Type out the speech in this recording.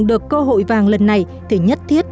được cơ hội vàng lần này thì nhất thiết